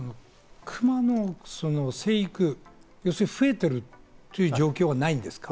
クマの生育、増えているという状況はないんですか？